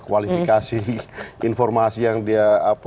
kualifikasi informasi yang dia